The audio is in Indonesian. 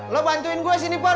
lo bantuin gue sini pak